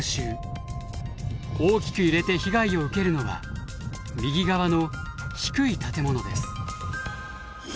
大きく揺れて被害を受けるのは右側の低い建物です。